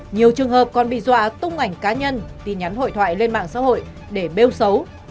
nhiều trường hợp còn bị dọa tung ảnh cá nhân tin nhắn hội thoại lên mạng xã hội để bêu xấu